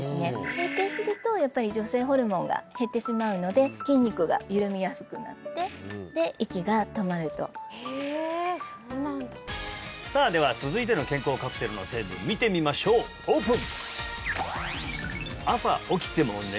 閉経するとやっぱり女性ホルモンが減ってしまうので筋肉が緩みやすくなって息が止まるとへえそうなんださあでは続いての健康カプセルの成分見てみましょうオープン！